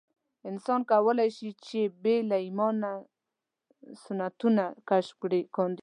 انسان کولای شي چې بې له ایمانه سنتونه کشف کاندي.